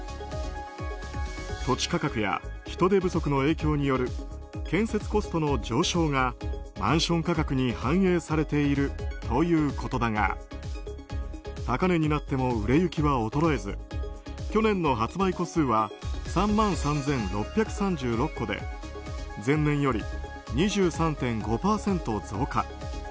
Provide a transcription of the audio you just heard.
土地価格や人手不足の影響による建設コストの上昇がマンション価格に反映されているということだが高値になっても売れ行きは衰えず去年の発売戸数は３万３６６３戸で、前年より２３．５％増加。